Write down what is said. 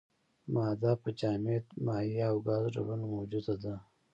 ماده په جامد، مایع او ګاز ډولونو موجوده ده.